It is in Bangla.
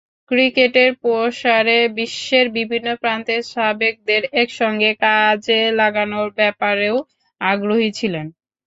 ক্রিকেটের প্রসারে বিশ্বের বিভিন্ন প্রান্তে সাবেকদের একসঙ্গে কাজে লাগানোর ব্যাপারেও আগ্রহী ছিলেন।